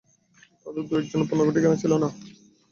তাতে দু একজনের পূর্ণাঙ্গ ঠিকানা ছিল না।